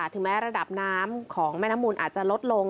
ถึงแม้ระดับน้ำของแม่น้ำมูลอาจจะลดลง